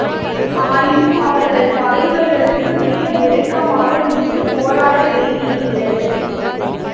ஆயினும், அவர்கள் பகைவர்களுக்கு மிக நெருக்கமாக நின்று போராட வேண்டியிருந்தது.